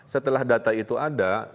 setelah data itu ada